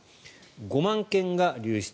５万件が流出。